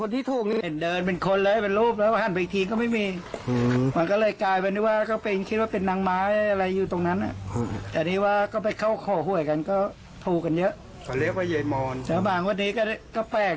ต้นไม้ลมลาบแต่ว่าสารนั้นชุดชุดอักษ์เล็กชุดอะไรนะชุดไทยอ่ะไม่มีปริ้วออกมาเลยมีปริ้วออกมาเลยสามชุดแล้วแล้วแล้ว